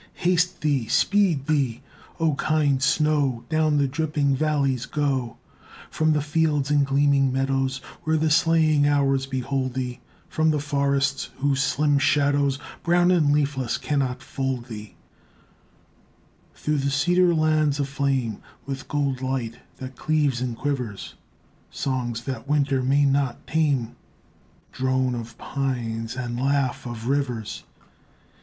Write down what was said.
Haste thee, speed thee, O kind snow; Down the dripping valleys go, From the fields and gleaming meadows, Where the slaying hours behold thee, From the forests whose slim shadows, Brown and leafless cannot fold thee, Through the cedar lands aflame With gold light that cleaves and quivers, Songs that winter may not tame, Drone of pines and laugh of rivers.